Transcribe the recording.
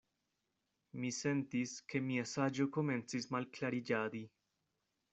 Mi sentis, ke mia saĝo komencis malklariĝadi.